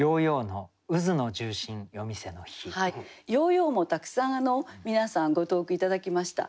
ヨーヨーもたくさん皆さんご投句頂きました。